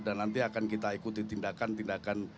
dan nanti akan kita ikuti tindakan tindakan